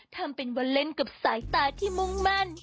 ทำเป็นวันเล่นกับสายตาที่มุ่งมั่น